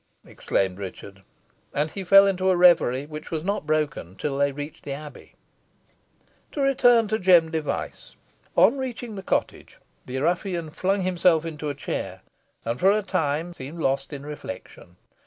exclaimed Richard. And he fell into a reverie which was not broken till they reached the Abbey. To return to Jem Device. On reaching the cottage, the ruffian flung himself into a chair, and for a time seemed lost in reflection.